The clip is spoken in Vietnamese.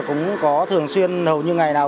cũng có thường xuyên hầu như ngày nào